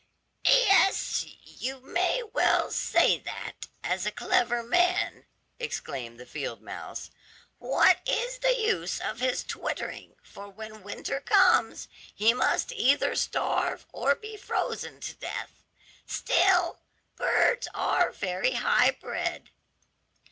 "Yes, you may well say that, as a clever man!" exclaimed the field mouse, "What is the use of his twittering, for when winter comes he must either starve or be frozen to death. Still birds are very high bred."